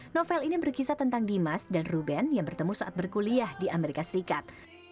novel ini berkisah tentang dimas dan ruben yang bertemu saat berkuliah di amerika serikat